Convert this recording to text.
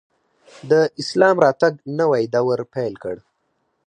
د اسلام راتګ نوی دور پیل کړ